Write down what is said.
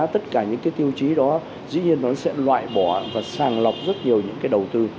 tất cả những cái tiêu chí đó dĩ nhiên nó sẽ loại bỏ và sàng lọc rất nhiều những cái đầu tư